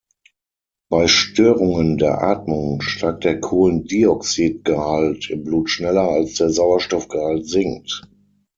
Bei Störungen der Atmung steigt der Kohlendioxidgehalt im Blut schneller, als der Sauerstoffgehalt sinkt.